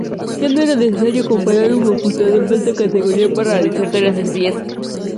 Ya no era necesario comprar un computador de alta categoría para realizar tareas sencillas.